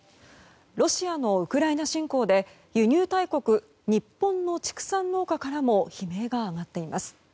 ロシアのウクライナ侵攻で輸入大国日本の畜産農家からも悲鳴が上がっています。